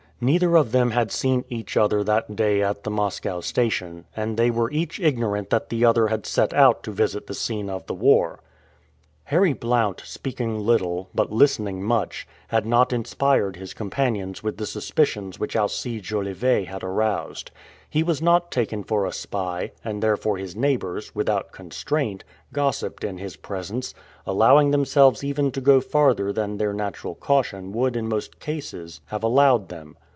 Neither of them had seen each other that day at the Moscow station, and they were each ignorant that the other had set out to visit the scene of the war. Harry Blount, speaking little, but listening much, had not inspired his companions with the suspicions which Alcide Jolivet had aroused. He was not taken for a spy, and therefore his neighbors, without constraint, gossiped in his presence, allowing themselves even to go farther than their natural caution would in most cases have allowed them.